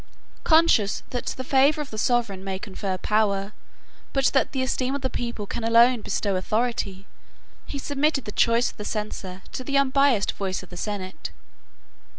38 Conscious that the favor of the sovereign may confer power, but that the esteem of the people can alone bestow authority, he submitted the choice of the censor to the unbiased voice of the senate.